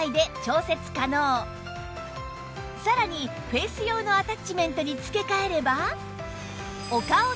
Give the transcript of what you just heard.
さらにフェイス用のアタッチメントに付け替えれば